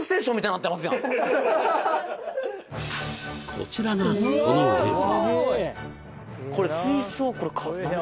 こちらがその映像